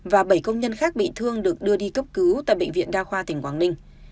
và bảy công nhân khác bị thương được đưa đi cấp cứu tại bệnh viện đa khoa tỉnh quảng ninh